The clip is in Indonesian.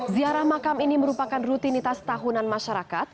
ziarah makam ini merupakan rutinitas tahunan masyarakat